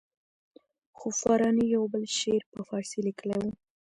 خو فاراني یو بل شعر په فارسي لیکلی وو.